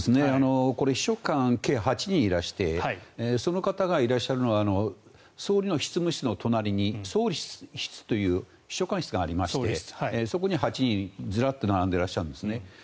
秘書官、計８人いらしてその方がいらっしゃるのは総理の執務室の隣に総理室というのがありましてそこに８人ずらっと並んでいらっしゃるんですね。